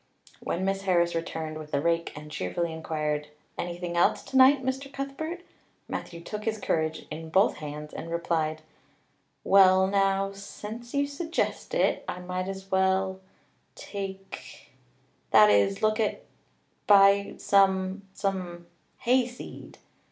When Miss Harris returned with the rake and cheerfully inquired: "Anything else tonight, Mr. Cuthbert?" Matthew took his courage in both hands and replied: "Well now, since you suggest it, I might as well take that is look at buy some some hayseed."